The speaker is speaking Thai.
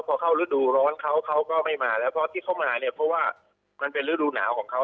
พอเข้ารุดร้อนเขาก็ไม่มาแล้วเพราะว่ามันเป็นฤดูหนาวของเขา